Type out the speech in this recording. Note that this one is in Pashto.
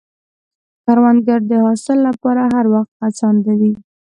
کروندګر د حاصل له پاره هر وخت هڅاند وي